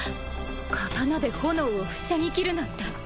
刀で炎を防ぎきるなんて。